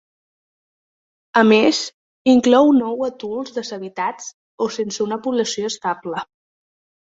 A més, inclou nou atols deshabitats o sense una població estable.